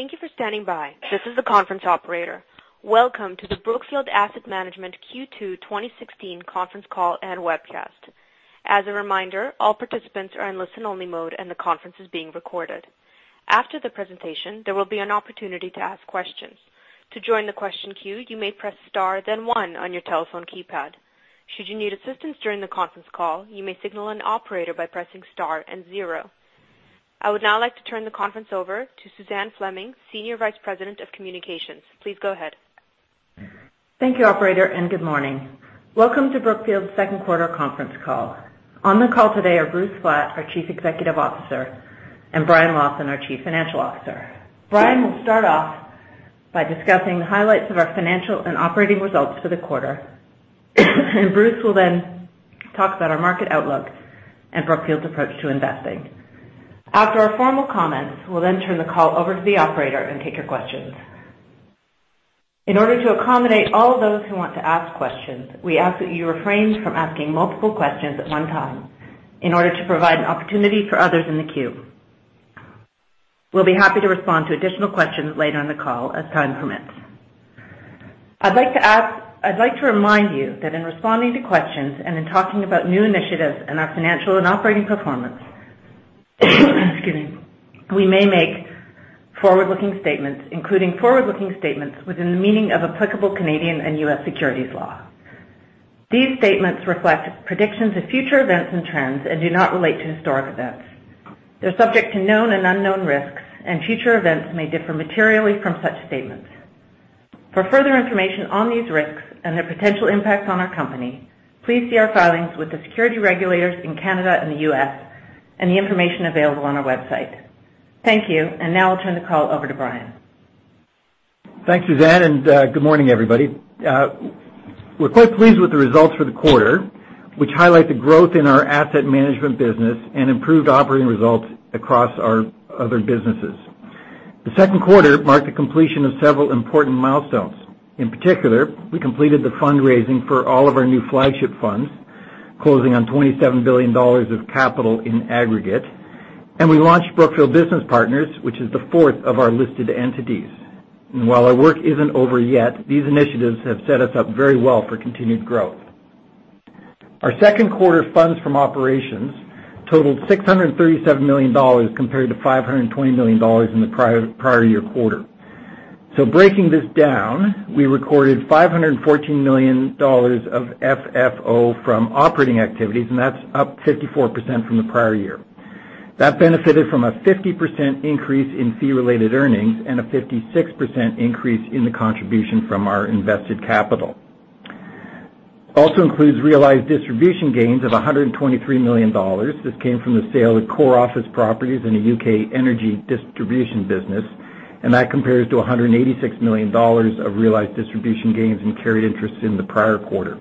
Thank you for standing by. This is the conference operator. Welcome to the Brookfield Asset Management Q2 2016 conference call and webcast. As a reminder, all participants are in listen-only mode, and the conference is being recorded. After the presentation, there will be an opportunity to ask questions. To join the question queue, you may press star then one on your telephone keypad. Should you need assistance during the conference call, you may signal an operator by pressing star and zero. I would now like to turn the conference over to Suzanne Fleming, Senior Vice President, Communications. Please go ahead. Thank you, operator, and good morning. Welcome to Brookfield's second quarter conference call. On the call today are Bruce Flatt, our Chief Executive Officer, and Brian Lawson, our Chief Financial Officer. Brian will start off by discussing the highlights of our financial and operating results for the quarter. Bruce will then talk about our market outlook and Brookfield's approach to investing. After our formal comments, we will turn the call over to the operator and take your questions. In order to accommodate all of those who want to ask questions, we ask that you refrain from asking multiple questions at one time in order to provide an opportunity for others in the queue. We will be happy to respond to additional questions later in the call as time permits. I'd like to remind you that in responding to questions and in talking about new initiatives and our financial and operating performance, we may make forward-looking statements, including forward-looking statements within the meaning of applicable Canadian and U.S. securities law. These statements reflect predictions of future events and trends and do not relate to historic events. They're subject to known and unknown risks, and future events may differ materially from such statements. For further information on these risks and their potential impact on our company, please see our filings with the security regulators in Canada and the U.S. and the information available on our website. Thank you. Now I'll turn the call over to Brian. Thanks, Suzanne, and good morning, everybody. We're quite pleased with the results for the quarter, which highlight the growth in our asset management business and improved operating results across our other businesses. The second quarter marked the completion of several important milestones. In particular, we completed the fundraising for all of our new flagship funds, closing on $27 billion of capital in aggregate. We launched Brookfield Business Partners, which is the fourth of our listed entities. While our work isn't over yet, these initiatives have set us up very well for continued growth. Our second quarter funds from operations totaled $637 million compared to $520 million in the prior year quarter. Breaking this down, we recorded $514 million of FFO from operating activities, and that's up 54% from the prior year. That benefited from a 50% increase in fee-related earnings and a 56% increase in the contribution from our invested capital. Also includes realized distribution gains of $123 million. This came from the sale of core office properties in the U.K. energy distribution business, and that compares to $186 million of realized distribution gains in carried interest in the prior quarter.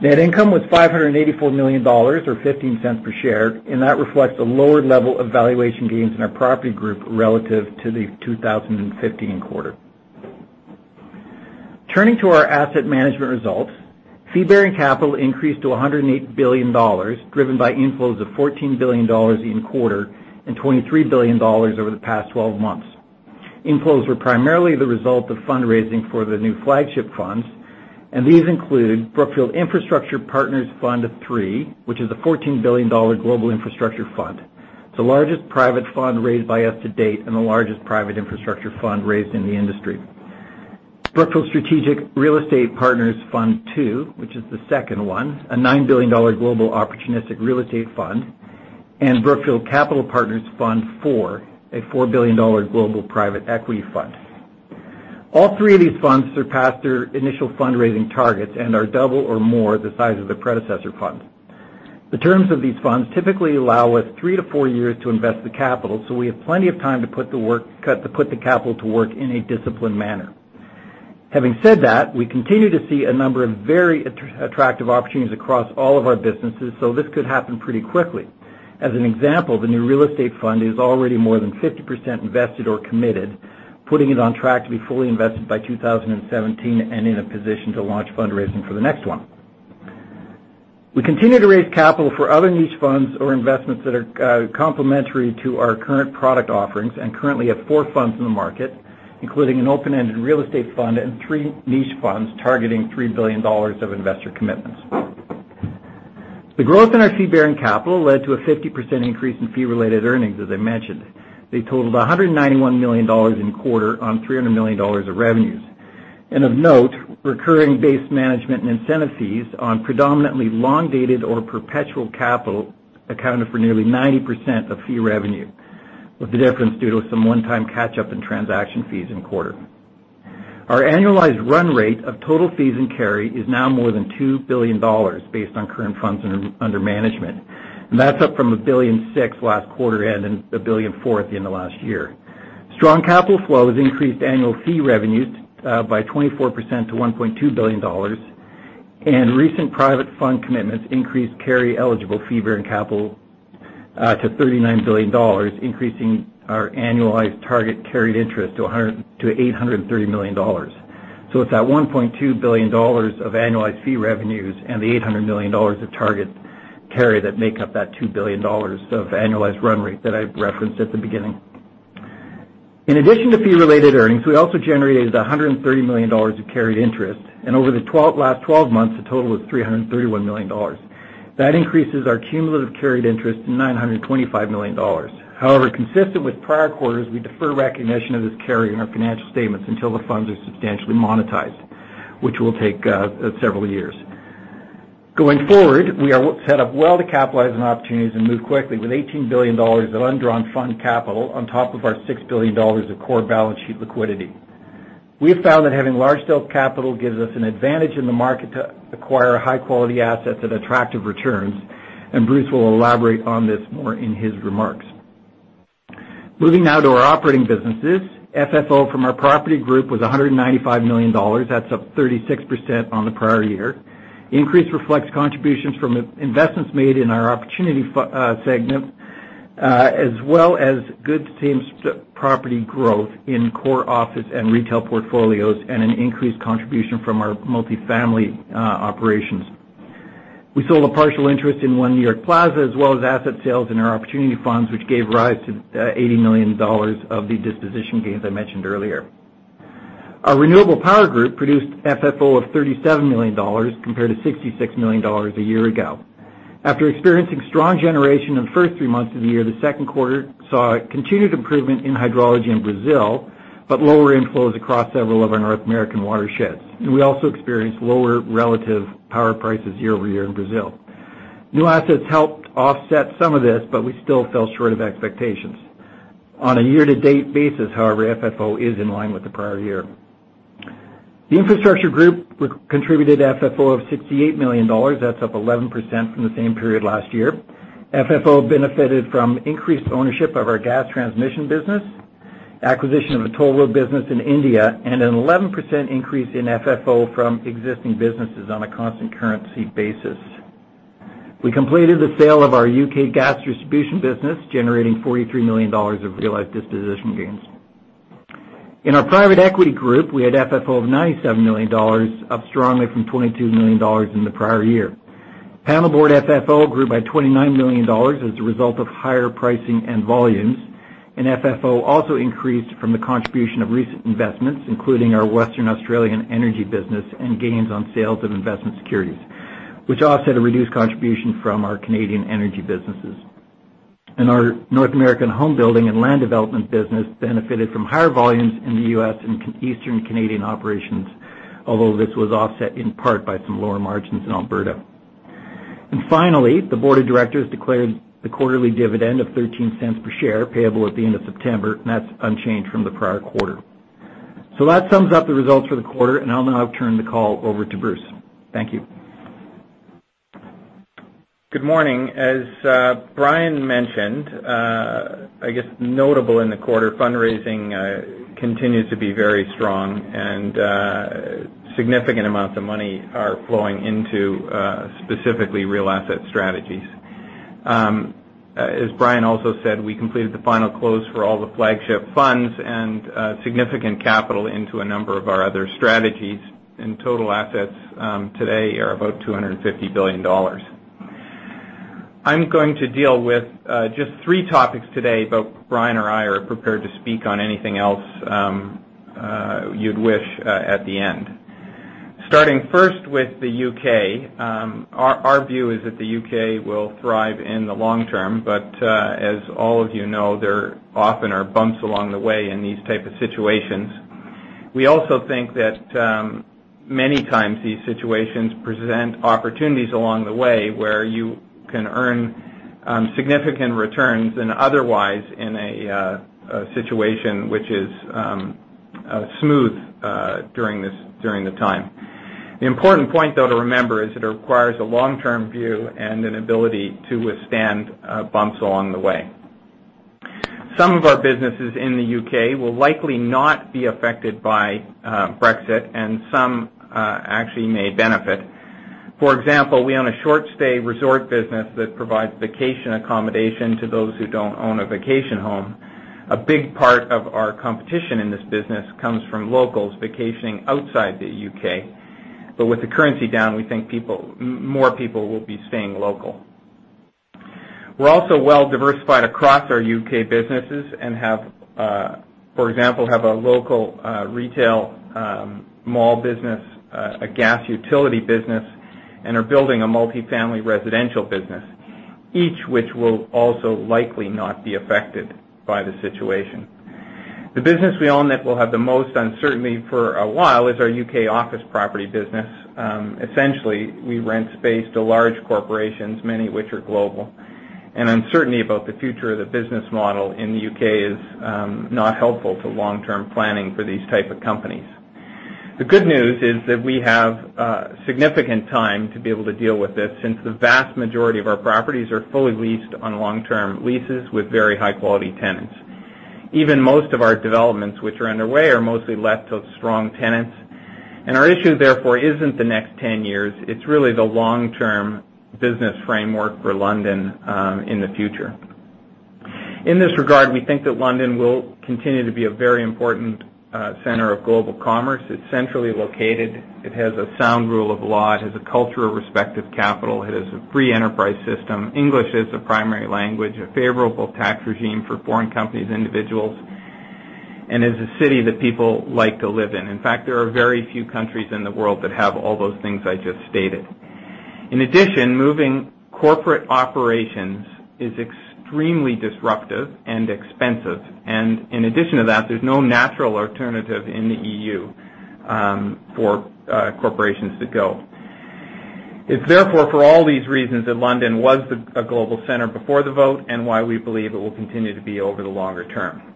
Net income was $584 million or $0.15 per share, and that reflects a lower level of valuation gains in our property group relative to the 2015 quarter. Turning to our asset management results, fee-bearing capital increased to $108 billion, driven by inflows of $14 billion in quarter and $23 billion over the past 12 months. Inflows were primarily the result of fundraising for the new flagship funds. These include Brookfield Infrastructure Fund III, which is a $14 billion global infrastructure fund. It's the largest private fund raised by us to date and the largest private infrastructure fund raised in the industry. Brookfield Strategic Real Estate Partners II, which is the second one, a $9 billion global opportunistic real estate fund, and Brookfield Capital Partners IV, a $4 billion global private equity fund. All three of these funds surpassed their initial fundraising targets and are double or more the size of the predecessor fund. The terms of these funds typically allow us three to four years to invest the capital. We have plenty of time to put the capital to work in a disciplined manner. Having said that, we continue to see a number of very attractive opportunities across all of our businesses. This could happen pretty quickly. As an example, the new real estate fund is already more than 50% invested or committed, putting it on track to be fully invested by 2017 and in a position to launch fundraising for the next one. We continue to raise capital for other niche funds or investments that are complementary to our current product offerings and currently have four funds in the market, including an open-ended real estate fund and three niche funds targeting $3 billion of investor commitments. The growth in our fee-bearing capital led to a 50% increase in fee-related earnings, as I mentioned. They totaled $191 million in quarter on $300 million of revenues. Of note, recurring base management and incentive fees on predominantly long-dated or perpetual capital accounted for nearly 90% of fee revenue, with the difference due to some one-time catch-up in transaction fees in quarter. Our annualized run rate of total fees and carry is now more than $2 billion based on current funds under management. That's up from $1.6 billion last quarter and $1.4 billion at the end of last year. Strong capital flow has increased annual fee revenues by 24% to $1.2 billion. Recent private fund commitments increased carry-eligible fee bearing capital to $39 billion, increasing our annualized target carried interest to $830 million. It's that $1.2 billion of annualized fee revenues and the $800 million of target carry that make up that $2 billion of annualized run rate that I referenced at the beginning. In addition to fee-related earnings, we also generated $130 million of carried interest, and over the last 12 months, the total was $331 million. That increases our cumulative carried interest to $925 million. However, consistent with prior quarters, we defer recognition of this carry in our financial statements until the funds are substantially monetized, which will take several years. Going forward, we are set up well to capitalize on opportunities and move quickly with $18 billion of undrawn fund capital on top of our $6 billion of core balance sheet liquidity. We have found that having large scale capital gives us an advantage in the market to acquire high-quality assets at attractive returns. Bruce will elaborate on this more in his remarks. Moving now to our operating businesses. FFO from our property group was $195 million. That's up 36% on the prior year. The increase reflects contributions from investments made in our opportunity segment, as well as good same property growth in core office and retail portfolios and an increased contribution from our multifamily operations. We sold a partial interest in One New York Plaza, as well as asset sales in our opportunity funds, which gave rise to $80 million of the disposition gains I mentioned earlier. Our renewable power group produced FFO of $37 million compared to $66 million a year ago. After experiencing strong generation in the first three months of the year, the second quarter saw a continued improvement in hydrology in Brazil, but lower inflows across several of our North American watersheds. We also experienced lower relative power prices year-over-year in Brazil. New assets helped offset some of this, but we still fell short of expectations. On a year-to-date basis, however, FFO is in line with the prior year. The infrastructure group contributed FFO of $68 million. That's up 11% from the same period last year. FFO benefited from increased ownership of our gas transmission business, acquisition of a toll road business in India, and an 11% increase in FFO from existing businesses on a constant currency basis. We completed the sale of our U.K. gas distribution business, generating $43 million of realized disposition gains. In our private equity group, we had FFO of $97 million, up strongly from $22 million in the prior year. Panelboard FFO grew by $29 million as a result of higher pricing and volumes. FFO also increased from the contribution of recent investments, including our Western Australian energy business and gains on sales of investment securities, which offset a reduced contribution from our Canadian energy businesses. Our North American home building and land development business benefited from higher volumes in the U.S. and Eastern Canadian operations, although this was offset in part by some lower margins in Alberta. Finally, the board of directors declared the quarterly dividend of $0.13 per share payable at the end of September, and that's unchanged from the prior quarter. That sums up the results for the quarter, and I'll now turn the call over to Bruce. Thank you. Good morning. As Brian mentioned, I guess notable in the quarter, fundraising continues to be very strong and significant amounts of money are flowing into specifically real asset strategies. As Brian also said, we completed the final close for all the flagship funds and significant capital into a number of our other strategies, and total assets today are about $250 billion. I'm going to deal with just three topics today, but Brian or I are prepared to speak on anything else you'd wish at the end. Starting first with the U.K. Our view is that the U.K. will thrive in the long term, but as all of you know, there often are bumps along the way in these type of situations. We also think that many times these situations present opportunities along the way where you can earn significant returns than otherwise in a situation which is smooth during the time. The important point though to remember is that it requires a long-term view and an ability to withstand bumps along the way. Some of our businesses in the U.K. will likely not be affected by Brexit, and some actually may benefit. For example, we own a short-stay resort business that provides vacation accommodation to those who don't own a vacation home. A big part of our competition in this business comes from locals vacationing outside the U.K. With the currency down, we think more people will be staying local. We're also well-diversified across our U.K. businesses and, for example, have a local retail mall business, a gas utility business, and are building a multifamily residential business, each which will also likely not be affected by the situation. The business we own that will have the most uncertainty for a while is our U.K. office property business. Essentially, we rent space to large corporations, many of which are global. Uncertainty about the future of the business model in the U.K. is not helpful to long-term planning for these type of companies. The good news is that we have significant time to be able to deal with this, since the vast majority of our properties are fully leased on long-term leases with very high-quality tenants. Even most of our developments which are underway are mostly let to strong tenants. Our issue, therefore, isn't the next 10 years, it's really the long-term business framework for London in the future. In this regard, we think that London will continue to be a very important center of global commerce. It's centrally located. It has a sound rule of law. It has a culture of respective capital. It has a free enterprise system. English is the primary language, a favorable tax regime for foreign companies, individuals, and is a city that people like to live in. In fact, there are very few countries in the world that have all those things I just stated. In addition, moving corporate operations is extremely disruptive and expensive. In addition to that, there's no natural alternative in the EU for corporations to go. It's therefore for all these reasons that London was a global center before the vote, and why we believe it will continue to be over the longer term.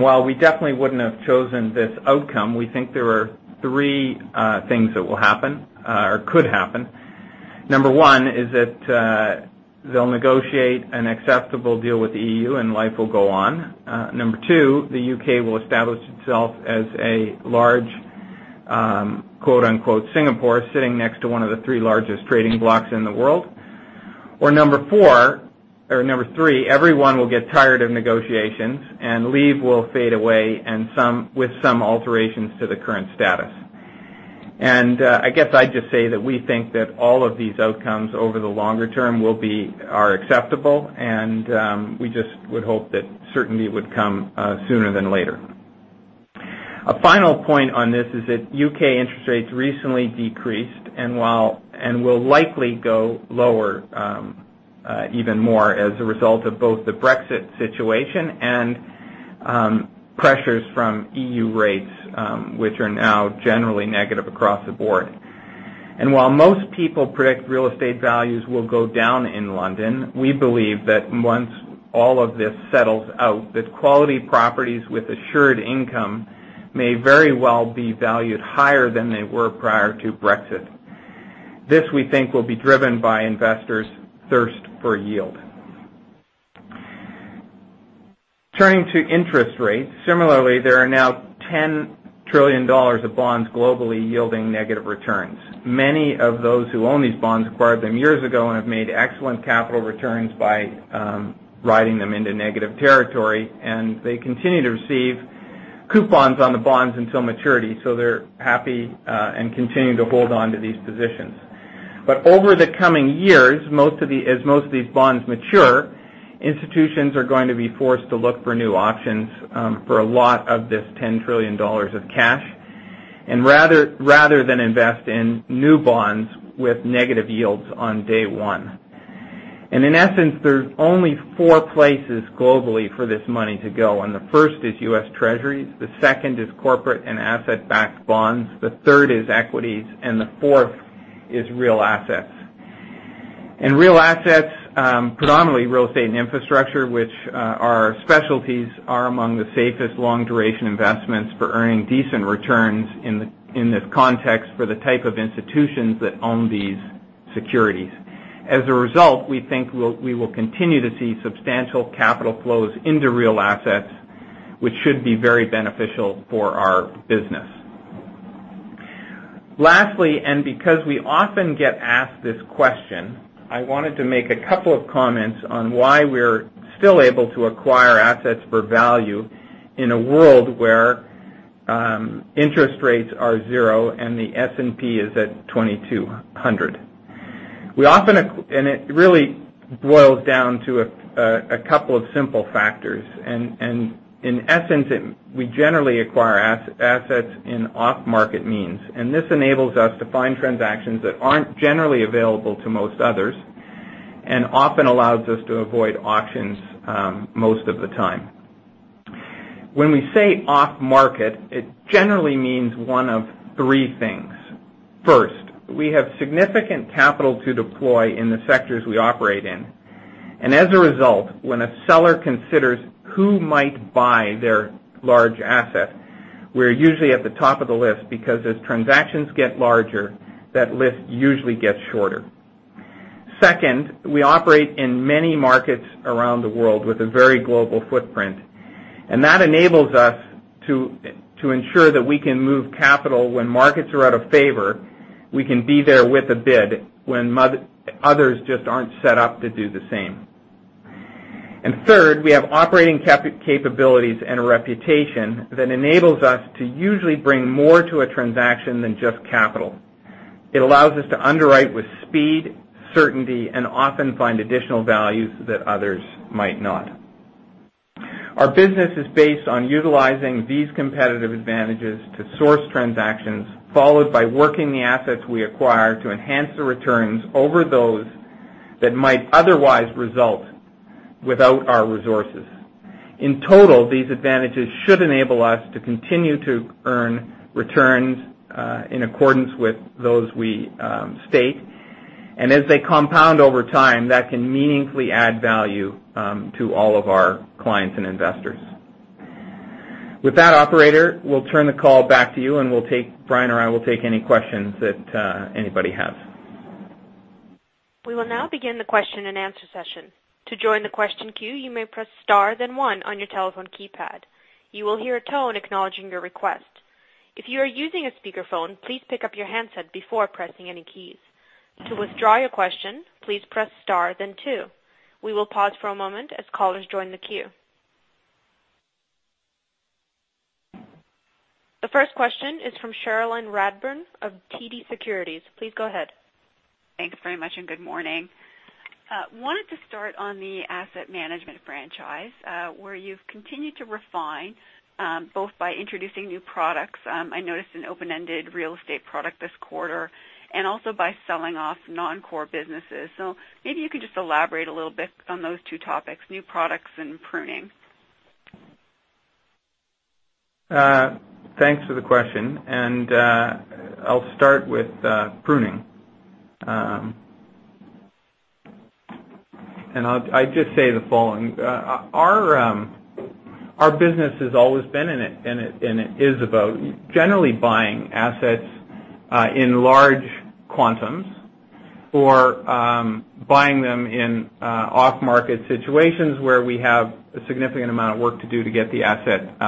While we definitely wouldn't have chosen this outcome, we think there are three things that will happen or could happen. Number one is that they'll negotiate an acceptable deal with the EU, and life will go on. Number two, the U.K. will establish itself as a large "Singapore," sitting next to one of the three largest trading blocks in the world. Number three, everyone will get tired of negotiations, and leave will fade away with some alterations to the current status. I guess I'd just say that we think that all of these outcomes over the longer term are acceptable, and we just would hope that certainty would come sooner than later. A final point on this is that U.K. interest rates recently decreased and will likely go lower even more as a result of both the Brexit situation and pressures from EU rates, which are now generally negative across the board. While most people predict real estate values will go down in London, we believe that once all of this settles out, that quality properties with assured income may very well be valued higher than they were prior to Brexit. This, we think, will be driven by investors' thirst for yield. Turning to interest rates. Similarly, there are now $10 trillion of bonds globally yielding negative returns. Many of those who own these bonds acquired them years ago and have made excellent capital returns by riding them into negative territory, and they continue to receive coupons on the bonds until maturity. They're happy and continuing to hold onto these positions. Over the coming years, as most of these bonds mature, institutions are going to be forced to look for new options for a lot of this $10 trillion of cash, rather than invest in new bonds with negative yields on day one. In essence, there's only four places globally for this money to go, the first is U.S. Treasuries, the second is corporate and asset-backed bonds, the third is equities, and the fourth is real assets. Real assets, predominantly real estate and infrastructure, which are our specialties, are among the safest long-duration investments for earning decent returns in this context for the type of institutions that own these securities. As a result, we think we will continue to see substantial capital flows into real assets, which should be very beneficial for our business. Lastly, because we often get asked this question, I wanted to make a couple of comments on why we're still able to acquire assets for value in a world where interest rates are zero and the S&P is at 2,200. It really boils down to a couple of simple factors. In essence, we generally acquire assets in off-market means, and this enables us to find transactions that aren't generally available to most others and often allows us to avoid auctions most of the time. When we say off-market, it generally means one of three things. First, we have significant capital to deploy in the sectors we operate in. As a result, when a seller considers who might buy their large asset, we're usually at the top of the list because as transactions get larger, that list usually gets shorter. Second, we operate in many markets around the world with a very global footprint, that enables us to ensure that we can move capital when markets are out of favor. We can be there with a bid when others just aren't set up to do the same. Third, we have operating capabilities and a reputation that enables us to usually bring more to a transaction than just capital. It allows us to underwrite with speed, certainty, and often find additional values that others might not. Our business is based on utilizing these competitive advantages to source transactions, followed by working the assets we acquire to enhance the returns over those that might otherwise result without our resources. In total, these advantages should enable us to continue to earn returns in accordance with those we state. As they compound over time, that can meaningfully add value to all of our clients and investors. With that, operator, we'll turn the call back to you, and Brian or I will take any questions that anybody has. We will now begin the question and answer session. To join the question queue, you may press star, then one on your your telephone keypad. You will hear a tone acknowledging your request. If you are using a speakerphone, please pick up your handset before pressing any keys. To withdraw your question, please press star then two. We will pause for a moment as callers join the queue. The first question is from Cherilyn Radbourne of TD Securities. Please go ahead. Thanks very much, and good morning. Wanted to start on the asset management franchise, where you've continued to refine, both by introducing new products, I noticed an open-ended real estate product this quarter, and also by selling off non-core businesses. Maybe you could just elaborate a little bit on those two topics, new products and pruning. Thanks for the question. I'll start with pruning. I'd just say the following. Our business has always been and it is about generally buying assets in large quantums or buying them in off-market situations where we have a significant amount of work to do to get the asset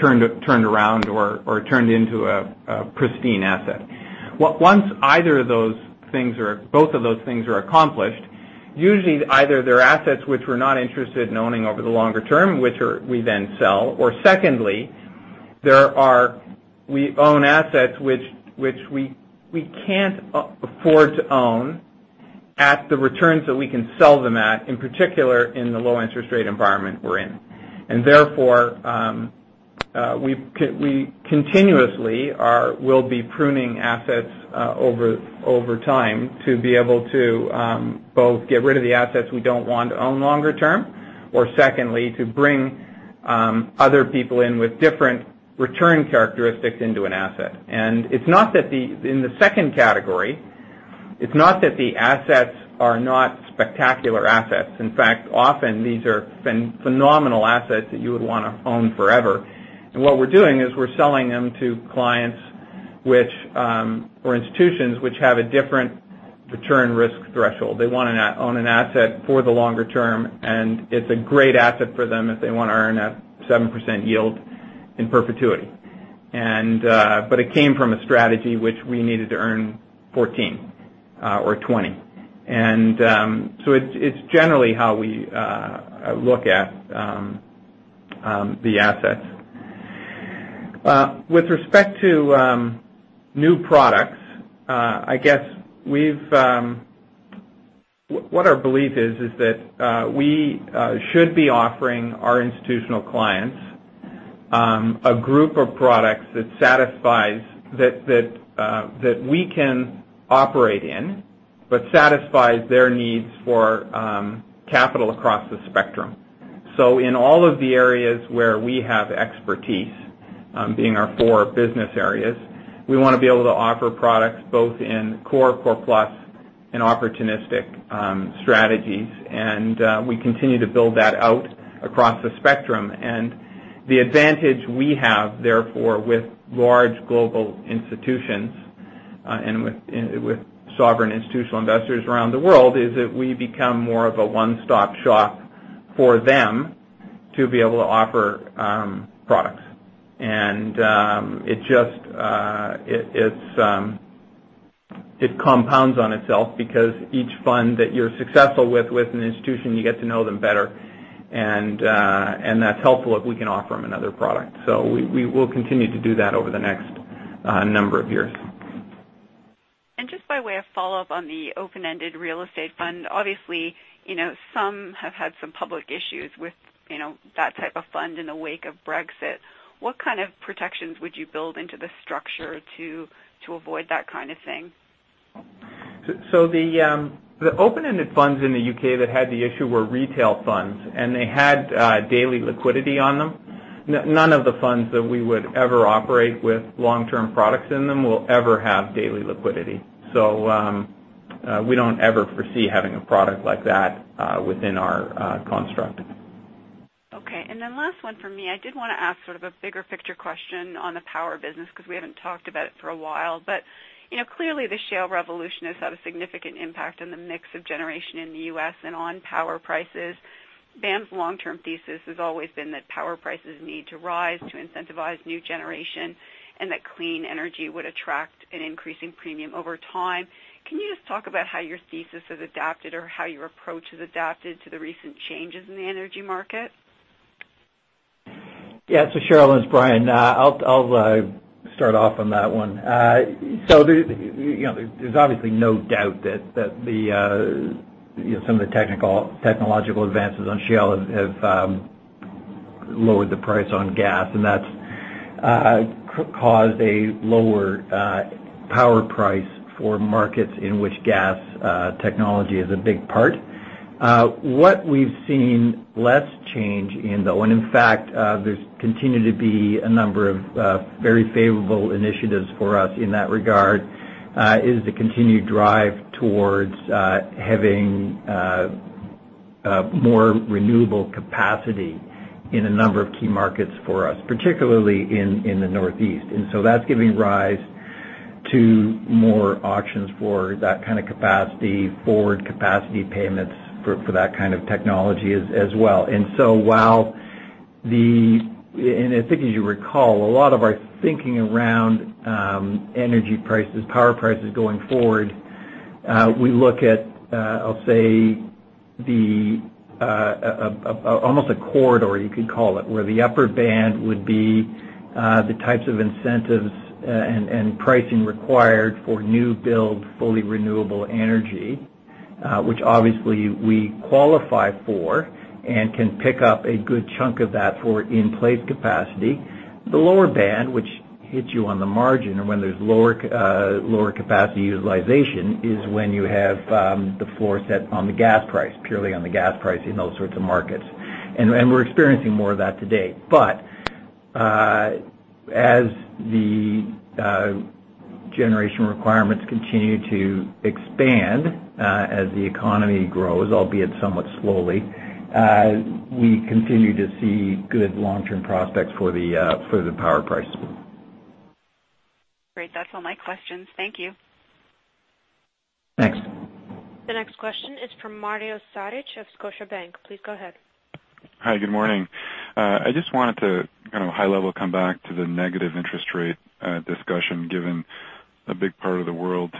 turned around or turned into a pristine asset. Once either of those things or both of those things are accomplished, usually either they're assets which we're not interested in owning over the longer term, which we then sell, or secondly, we own assets which we can't afford to own at the returns that we can sell them at, in particular, in the low interest rate environment we're in. Therefore, we continuously will be pruning assets over time to be able to both get rid of the assets we don't want to own longer term, or secondly, to bring other people in with different return characteristics into an asset. In the second category, it's not that the assets are not spectacular assets. In fact, often these are phenomenal assets that you would want to own forever. What we're doing is we're selling them to clients or institutions which have a different return risk threshold. They want to own an asset for the longer term, and it's a great asset for them if they want to earn a 7% yield in perpetuity. It came from a strategy which we needed to earn 14 or 20. It's generally how we look at the assets. With respect to new products, what our belief is that we should be offering our institutional clients a group of products that we can operate in, but satisfies their needs for capital across the spectrum. In all of the areas where we have expertise, being our 4 business areas, we want to be able to offer products both in core plus, and opportunistic strategies. We continue to build that out across the spectrum. The advantage we have, therefore, with large global institutions and with sovereign institutional investors around the world, is that we become more of a one-stop shop for them to be able to offer products. It compounds on itself because each fund that you're successful with an institution, you get to know them better, and that's helpful if we can offer them another product. We will continue to do that over the next number of years. Just by way of follow-up on the open-ended real estate fund, obviously, some have had some public issues with that type of fund in the wake of Brexit. What kind of protections would you build into the structure to avoid that kind of thing? The open-ended funds in the U.K. that had the issue were retail funds, and they had daily liquidity on them. None of the funds that we would ever operate with long-term products in them will ever have daily liquidity. We don't ever foresee having a product like that within our construct. Okay, and then last one from me. I did want to ask sort of a bigger picture question on the power business, because we haven't talked about it for a while. Clearly the shale revolution has had a significant impact on the mix of generation in the U.S. and on power prices. BAM's long-term thesis has always been that power prices need to rise to incentivize new generation, and that clean energy would attract an increasing premium over time. Can you just talk about how your thesis has adapted or how your approach has adapted to the recent changes in the energy market? Yeah. Cherilyn, it's Brian. I'll start off on that one. There's obviously no doubt that some of the technological advances on shale have lowered the price on gas, and that's caused a lower power price for markets in which gas technology is a big part. What we've seen less change in, though, and in fact, there's continued to be a number of very favorable initiatives for us in that regard, is the continued drive towards having more renewable capacity in a number of key markets for us, particularly in the Northeast. That's giving rise to more auctions for that kind of capacity, forward capacity payments for that kind of technology as well. I think as you recall, a lot of our thinking around energy prices, power prices going forward, we look at, I'll say, almost a corridor, you could call it, where the upper band would be the types of incentives and pricing required for new build, fully renewable energy, which obviously we qualify for and can pick up a good chunk of that for in-place capacity. The lower band, which hits you on the margin or when there's lower capacity utilization, is when you have the floor set on the gas price, purely on the gas price in those sorts of markets. We're experiencing more of that today. As the generation requirements continue to expand as the economy grows, albeit somewhat slowly, we continue to see good long-term prospects for the power prices. Great. That's all my questions. Thank you. Thanks. The next question is from Mario Saric of Scotiabank. Please go ahead. Hi. Good morning. I just wanted to high-level come back to the negative interest rate discussion, given a big part of the world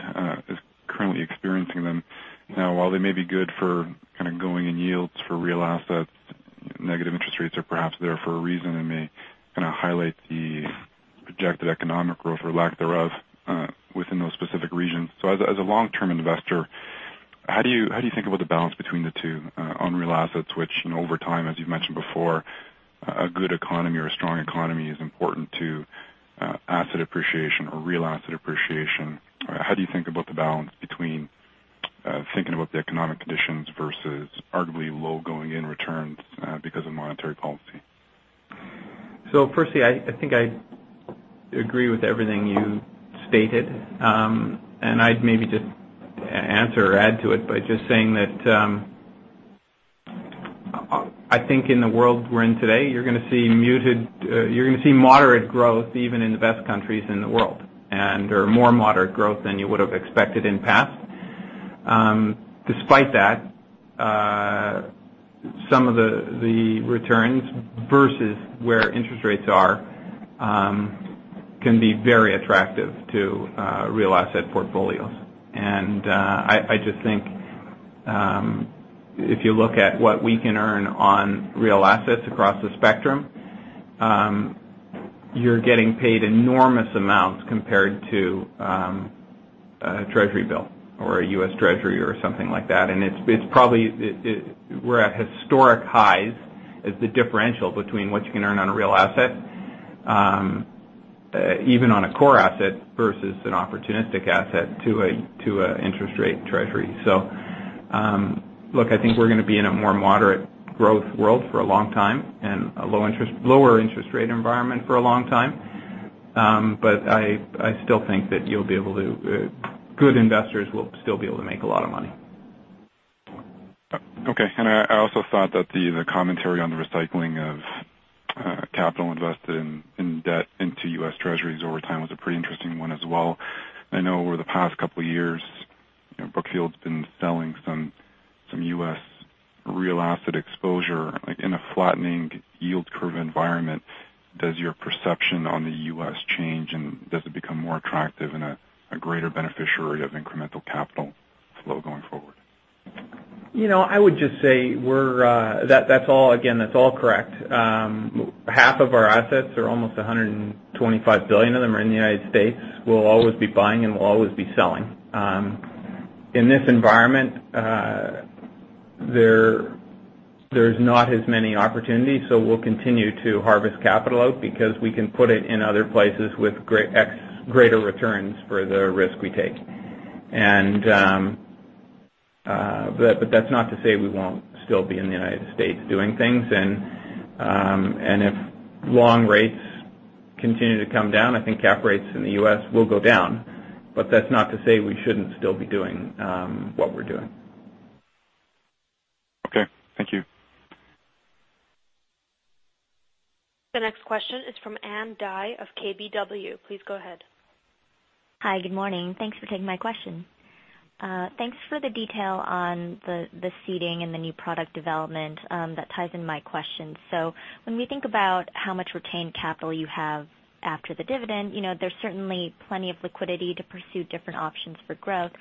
is currently experiencing them. Now, while they may be good for kind of going-in yields for real assets, negative interest rates are perhaps there for a reason and may kind of highlight the projected economic growth or lack thereof within those specific regions. As a long-term investor, how do you think about the balance between the two on real assets, which over time, as you've mentioned before, a good economy or a strong economy is important to asset appreciation or real asset appreciation. How do you think about the balance between thinking about the economic conditions versus arguably low going-in returns because of monetary policy? Firstly, I think I agree with everything you stated. I'd maybe just answer or add to it by just saying that, I think in the world we're in today, you're going to see moderate growth even in the best countries in the world. There are more moderate growth than you would've expected in the past. Despite that, some of the returns versus where interest rates are, can be very attractive to real asset portfolios. I just think, if you look at what we can earn on real assets across the spectrum, you're getting paid enormous amounts compared to a Treasury bill or a U.S. Treasury or something like that. We're at historic highs as the differential between what you can earn on a real asset, even on a core asset versus an opportunistic asset to an interest rate Treasury. Look, I think we're going to be in a more moderate growth world for a long time and a lower interest rate environment for a long time. I still think that good investors will still be able to make a lot of money. Okay. I also thought that the commentary on the recycling of capital invested in debt into U.S. Treasuries over time was a pretty interesting one as well. I know over the past couple of years, Brookfield's been selling some U.S. real asset exposure. In a flattening yield curve environment, does your perception on the U.S. change, and does it become more attractive and a greater beneficiary of incremental capital flow going forward? Again, that's all correct. Half of our assets are almost $125 billion of them are in the United States. We'll always be buying, and we'll always be selling. In this environment, there's not as many opportunities, so we'll continue to harvest capital out because we can put it in other places with greater returns for the risk we take. That's not to say we won't still be in the United States doing things. If long rates continue to come down, I think cap rates in the U.S. will go down. That's not to say we shouldn't still be doing what we're doing. Okay. Thank you. The next question is from Ann Dai of KBW. Please go ahead. Hi. Good morning. Thanks for taking my question. Thanks for the detail on the seeding and the new product development. That ties in my question. When we think about how much retained capital you have after the dividend, there's certainly plenty of liquidity to pursue different options for growth.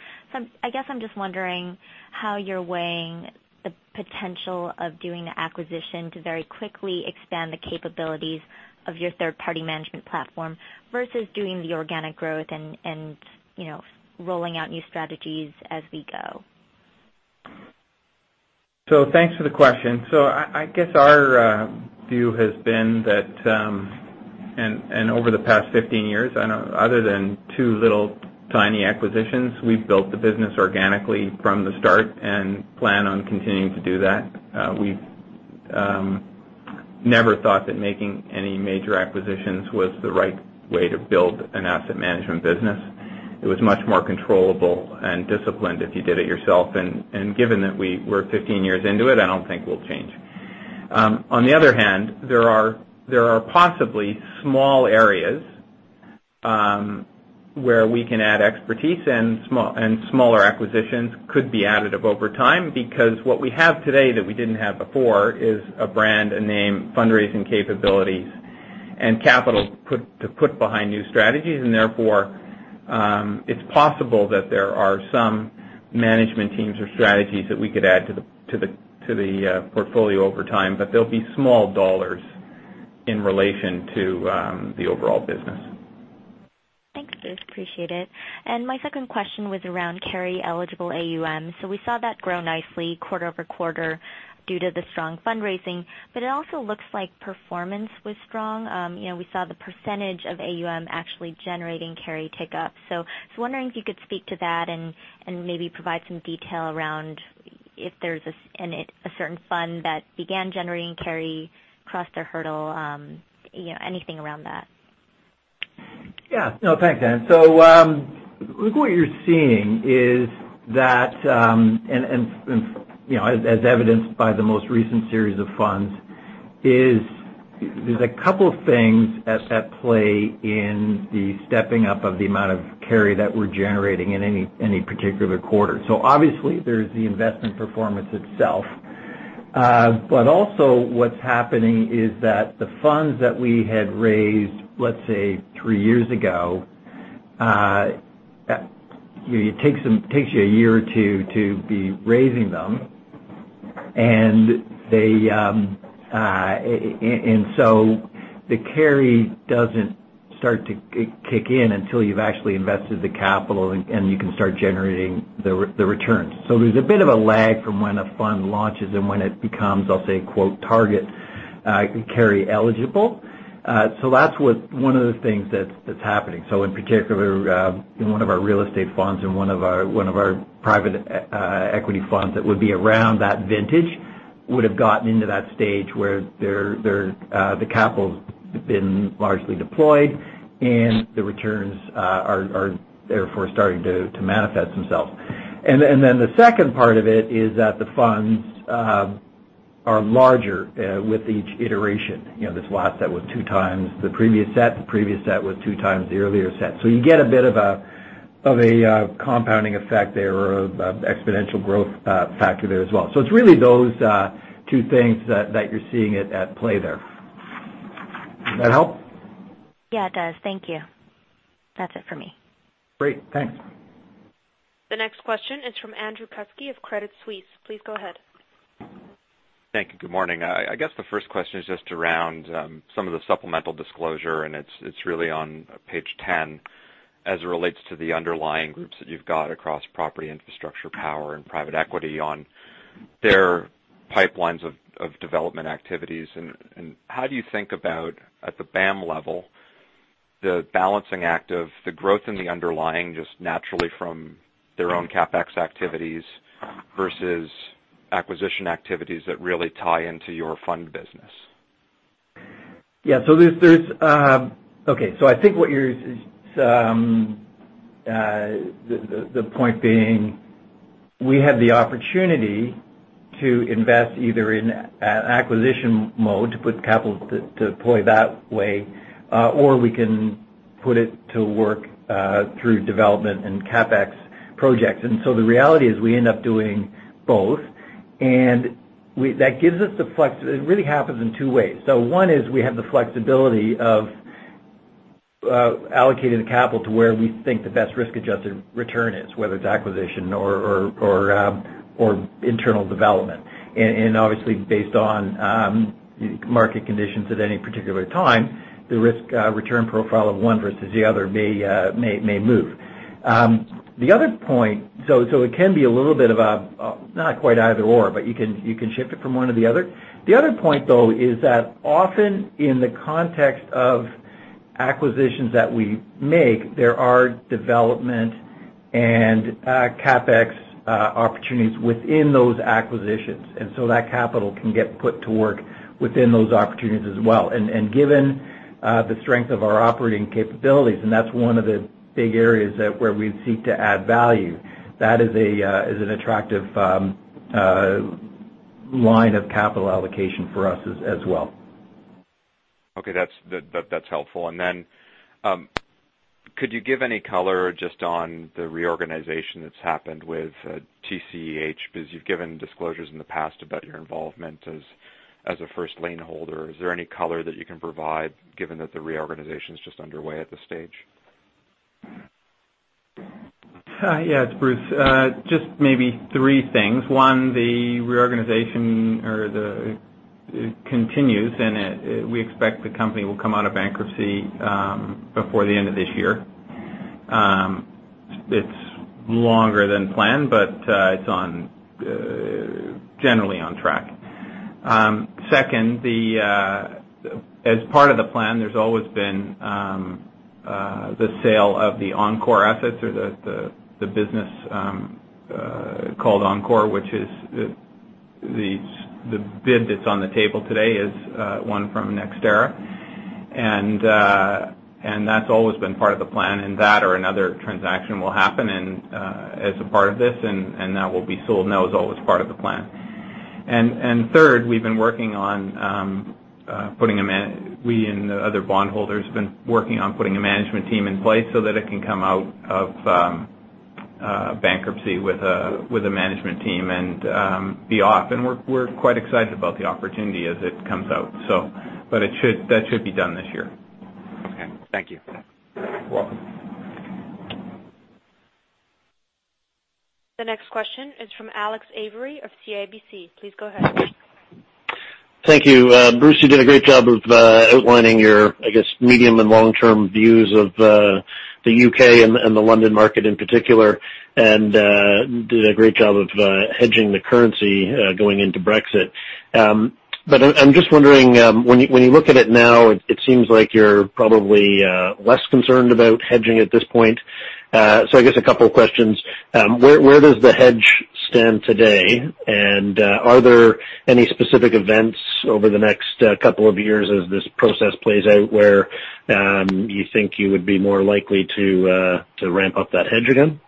I guess I'm just wondering how you're weighing the potential of doing the acquisition to very quickly expand the capabilities of your third-party management platform versus doing the organic growth and rolling out new strategies as we go. Thanks for the question. I guess our view has been that, and over the past 15 years, other than two little tiny acquisitions, we've built the business organically from the start and plan on continuing to do that. We've never thought that making any major acquisitions was the right way to build an asset management business. It was much more controllable and disciplined if you did it yourself. Given that we're 15 years into it, I don't think we'll change. On the other hand, there are possibly small areas where we can add expertise and smaller acquisitions could be additive over time, because what we have today that we didn't have before is a brand, a name, fundraising capabilities, and capital to put behind new strategies. Therefore, it's possible that there are some management teams or strategies that we could add to the portfolio over time. They'll be small dollars in relation to the overall business. Thanks, Bruce. Appreciate it. My second question was around carry-eligible AUM. We saw that grow nicely quarter-over-quarter due to the strong fundraising, but it also looks like performance was strong. We saw the percentage of AUM actually generating carry tick up. I was wondering if you could speak to that and maybe provide some detail around if there's a certain fund that began generating carry, crossed a hurdle, anything around that. Yeah. No, thanks, Ann. I think what you're seeing is that, and as evidenced by the most recent series of funds, is there's a couple of things at play in the stepping up of the amount of carry that we're generating in any particular quarter. Obviously, there's the investment performance itself. Also what's happening is that the funds that we had raised, let's say, three years ago, it takes you a year or two to be raising them. The carry doesn't start to kick in until you've actually invested the capital and you can start generating the returns. There's a bit of a lag from when a fund launches and when it becomes, I'll say, quote, "target carry eligible." That's one of the things that's happening. In particular, in one of our real estate funds, in one of our private equity funds that would be around that vintage, would've gotten into that stage where the capital's been largely deployed and the returns are therefore starting to manifest themselves. The second part of it is that the funds are larger with each iteration. This lot that was two times the previous set, the previous set was two times the earlier set. You get a bit of a compounding effect there, or exponential growth factor there as well. It's really those two things that you're seeing at play there. Does that help? Yeah, it does. Thank you. That's it for me. Great. Thanks. The next question is from Andrew Kuske of Credit Suisse. Please go ahead. Thank you. Good morning. I guess the first question is just around some of the supplemental disclosure, and it's really on page 10 as it relates to the underlying groups that you've got across property, infrastructure, power, and private equity on their pipelines of development activities. How do you think about, at the BAM level, the balancing act of the growth in the underlying, just naturally from their own CapEx activities versus acquisition activities that really tie into your fund business? I think the point being, we have the opportunity to invest either in acquisition mode to put capital to deploy that way, or we can put it to work through development and CapEx projects. The reality is we end up doing both. It really happens in two ways. One is we have the flexibility of allocating the capital to where we think the best risk-adjusted return is, whether it's acquisition or internal development. Obviously, based on market conditions at any particular time, the risk return profile of one versus the other may move. It can be a little bit of a not quite either/or, but you can shift it from one to the other. The other point, though, is that often in the context of acquisitions that we make, there are development and CapEx opportunities within those acquisitions. That capital can get put to work within those opportunities as well. Given the strength of our operating capabilities, and that's one of the big areas where we seek to add value, that is an attractive line of capital allocation for us as well. Okay. That's helpful. Could you give any color just on the reorganization that's happened with TCEH? Because you've given disclosures in the past about your involvement as a first lien holder. Is there any color that you can provide given that the reorganization's just underway at this stage? It's Bruce. Just maybe three things. One, the reorganization continues, and we expect the company will come out of bankruptcy before the end of this year. It's longer than planned, but it's generally on track. Second, as part of the plan, there's always been the sale of the Oncor assets or the business called Oncor, which is the bid that's on the table today is one from NextEra. That's always been part of the plan, and that or another transaction will happen and as a part of this, and that will be sold, and that was always part of the plan. Third, we and the other bondholders, been working on putting a management team in place so that it can come out of bankruptcy with a management team and be off. We're quite excited about the opportunity as it comes out. That should be done this year. Okay, thank you. You're welcome. The next question is from Alex Avery of CIBC. Please go ahead. Thank you. Bruce, you did a great job of outlining your, I guess, medium and long-term views of the U.K. and the London market in particular, and did a great job of hedging the currency going into Brexit. I'm just wondering, when you look at it now, it seems like you're probably less concerned about hedging at this point. I guess a couple of questions. Where does the hedge stand today, and are there any specific events over the next couple of years as this process plays out where you think you would be more likely to ramp up that hedge again?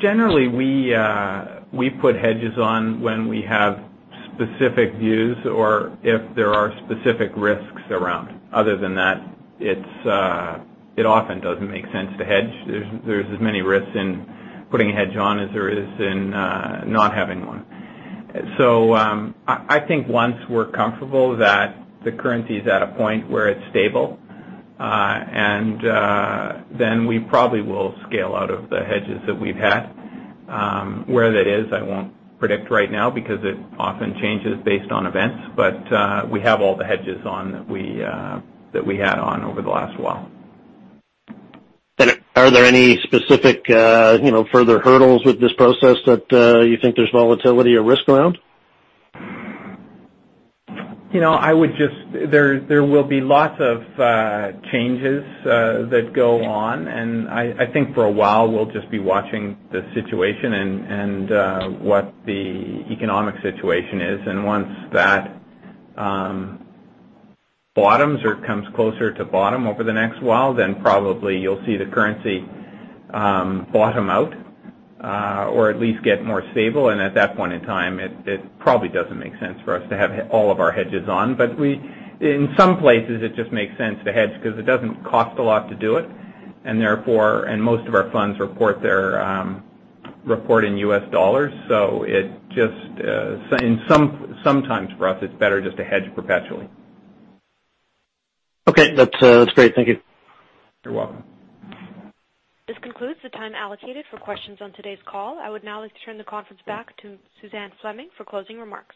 Generally, we put hedges on when we have specific views or if there are specific risks around. Other than that, it often doesn't make sense to hedge. There's as many risks in putting a hedge on as there is in not having one. I think once we're comfortable that the currency's at a point where it's stable, we probably will scale out of the hedges that we've had. Where that is, I won't predict right now because it often changes based on events. We have all the hedges on that we had on over the last while. Are there any specific further hurdles with this process that you think there's volatility or risk around? There will be lots of changes that go on. I think for a while we'll just be watching the situation and what the economic situation is. Once that bottoms or comes closer to bottom over the next while, you'll see the currency bottom out or at least get more stable. At that point in time, it probably doesn't make sense for us to have all of our hedges on. In some places, it just makes sense to hedge because it doesn't cost a lot to do it, and most of our funds report in U.S. dollars, sometimes for us, it's better just to hedge perpetually. Okay, that's great. Thank you. You're welcome. This concludes the time allocated for questions on today's call. I would now like to turn the conference back to Suzanne Fleming for closing remarks.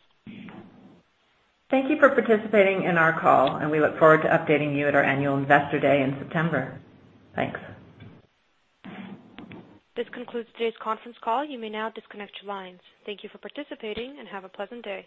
Thank you for participating in our call, and we look forward to updating you at our annual investor day in September. Thanks. This concludes today's conference call. You may now disconnect your lines. Thank you for participating, and have a pleasant day.